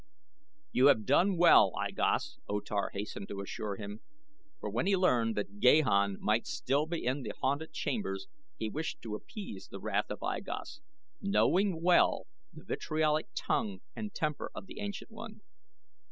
"You have done well, I Gos," O Tar hastened to assure him, for when he learned that Gahan might still be in the haunted chambers he wished to appease the wrath of I Gos, knowing well the vitriolic tongue and temper of the ancient one.